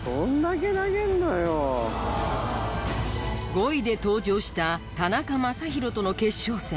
５位で登場した田中将大との決勝戦。